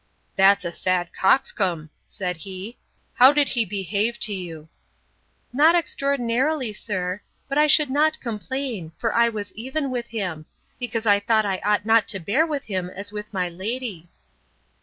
That's a sad coxcomb, said he: How did he behave to you?—Not extraordinarily, sir; but I should not complain; for I was even with him; because I thought I ought not to bear with him as with my lady.